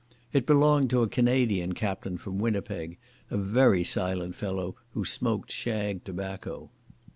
It belonged to a Canadian captain from Winnipeg, a very silent fellow who smoked shag tobacco.